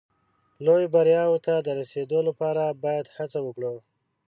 لویو بریاوو ته د رسېدو لپاره باید هڅه وکړو.